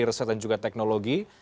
menteri reset dan juga teknologi